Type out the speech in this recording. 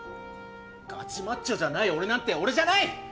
ガチマッチョじゃない俺なんて俺じゃない！！